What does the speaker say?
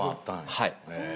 はい。